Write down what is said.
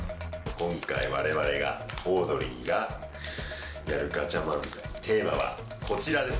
今回われわれが、オードリーがやるガチャ漫才、テーマはこちらです。